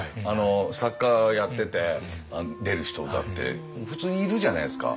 作家やってて出る人だって普通にいるじゃないですか。